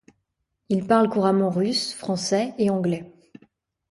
Il parle couramment russe, français et anglais.